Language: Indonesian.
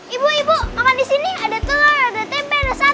ibu ibu makan disini ada telur ada tempe ada sate